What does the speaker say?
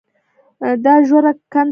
دا ژوره کنده وينې.